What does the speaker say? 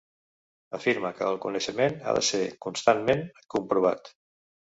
Afirma que el coneixement ha de ser constantment comprovat.